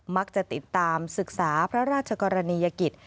มักจะติดตามศึกษาพระราชกรณียกิจ